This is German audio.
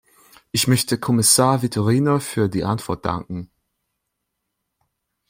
Ich möchte Kommissar Vitorino für die Antwort danken.